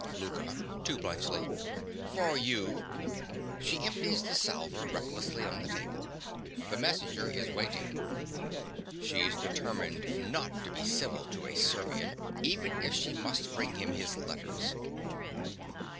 _) LOUKA. (to Bluntschli). For you. (She empties the salver recklessly on the table.) The messenger is waiting. (_She is determined not to be civil to a Servian, even if she must bring him his letters.